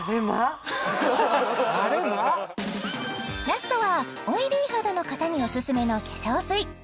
ラストはオイリー肌の方におすすめの化粧水